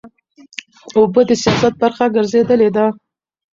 اوبه د سیاست برخه ګرځېدلې ده.